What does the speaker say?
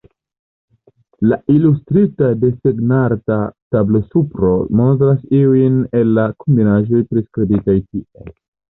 La ilustrita desegn-arta tablo-supro montras iujn el la kombinaĵoj priskribitaj tie.